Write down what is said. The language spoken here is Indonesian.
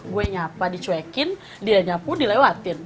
gue nyapa dicuekin dia nyapu dilewatin